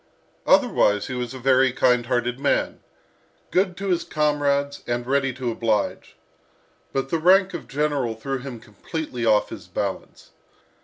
Otherwise he was a very kind hearted man, good to his comrades, and ready to oblige. But the rank of general threw him completely off his balance.